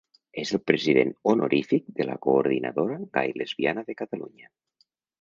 És el president honorífic de la Coordinadora Gai-Lesbiana de Catalunya.